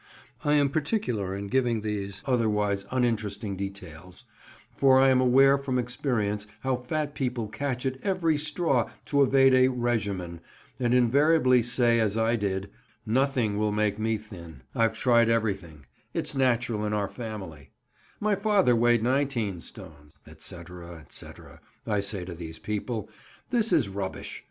I am particular in giving these otherwise uninteresting details, for I am aware from experience how fat people catch at every straw to evade a "regimen," and invariably say as I did, "Nothing will make me thin," "I've tried everything," "It's natural in our family," "My father weighed nineteen stone," &c., &c. I say to these people, "This is rubbish.